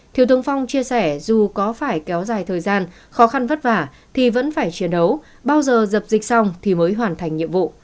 thiếu tướng phong chia sẻ dù có phải kéo dài thời gian khó khăn vất vả thì vẫn phải chiến đấu bao giờ dập dịch xong thì mới hoàn thành nhiệm vụ